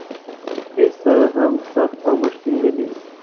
هېڅ څه هم سخت او مشکل نه دي.